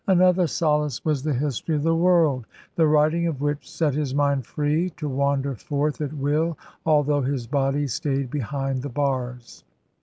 Another solace was the History of the World, the writing of which set his mind free to wander forth at will although his body stayed behind the bars.